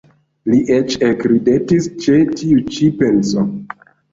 Li eĉ ekridetis ĉe tiu ĉi penso.